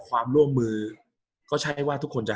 กับการสตรีมเมอร์หรือการทำอะไรอย่างเงี้ย